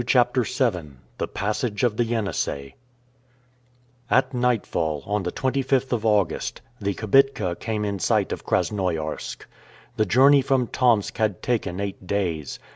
CHAPTER VII THE PASSAGE OF THE YENISEI AT nightfall, on the 25th of August, the kibitka came in sight of Krasnoiarsk. The journey from Tomsk had taken eight days.